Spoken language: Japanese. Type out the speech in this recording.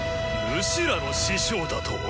ヌシらの師匠だと。